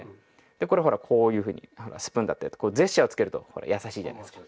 「これほらこういうふうにほらスプーンだって」とこうジェスチャーをつけるとほらやさしいじゃないですか。